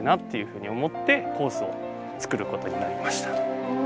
ふうに思ってコースを作ることになりました。